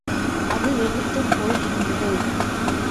அது வெளுத்துப் போய் இருந்தது.